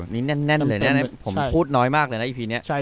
นี่แน่นเลยนะผมพูดน้อยมากเลยนะอีพีนี้